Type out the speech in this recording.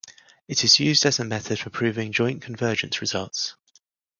It is used as a method for proving joint convergence results.